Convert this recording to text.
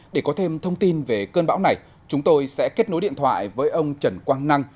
để có thêm thông tin về cơn bão này chúng tôi sẽ kết nối điện thoại với ông trần quang năng